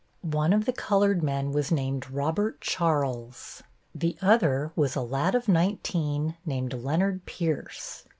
One of the colored men was named Robert Charles, the other was a lad of nineteen named Leonard Pierce.